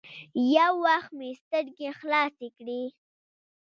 يو وخت مې سترګې خلاصې کړې.